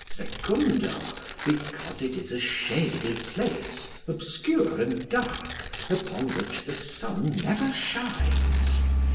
Secundo, because it is a shady place, obscure and dark, upon which the sun never shines.